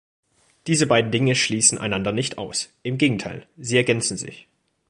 Diese beiden Dinge schließen einander nicht aus, im Gegenteil, sie ergänzen sich.